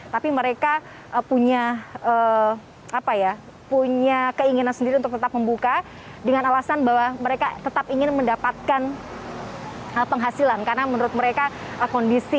tapi mereka punya keinginan sendiri untuk tetap membuka dengan alasan bahwa mereka tetap ingin mendapatkan penghasilan karena menurut mereka kondisi